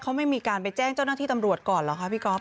เขาไม่มีการไปแจ้งเจ้าหน้าที่ตำรวจก่อนเหรอคะพี่ก๊อฟ